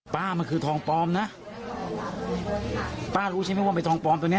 ป้ามันคือทองปลอมนะป้ารู้ใช่ไหมว่าเป็นทองปลอมตัวเนี้ย